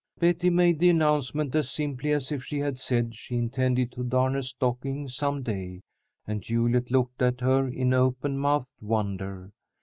Betty made the announcement as simply as if she had said she intended to darn a stocking some day, and Juliet looked at her in open mouthed wonder.